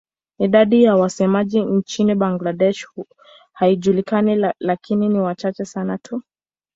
Idadi ya wasemaji nchini Bangladesh haijulikani lakini ni wachache sana tu.